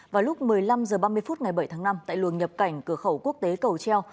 vào lúc một mươi năm h ba mươi phút ngày bảy tháng năm tại luồng nhập cảnh cửa khẩu quốc tế cầu treo